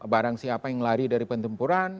barang siapa yang lari dari pentempuran